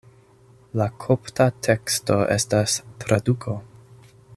La kopta teksto estas traduko.